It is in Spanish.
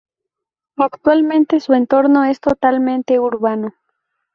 Actualmente su entorno es totalmente urbano.